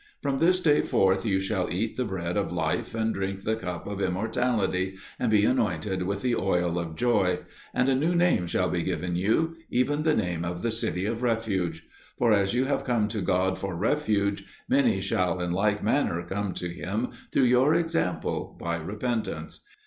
From this day forth you shall eat the bread of life and drink the cup of immortality, and be anointed with the oil of joy. And a new name shall be given you, even the name of the City of Refuge; for as you have come to God for refuge, many shall in like manner come to Him through your example by repentance.